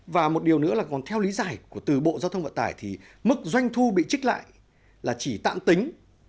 và một điều nữa là còn theo lý giải của từ bộ giao thông vận tải thì mức doanh thu bị trích lại là chỉ tạm tính